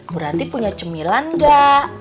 bu ranti punya cemilan gak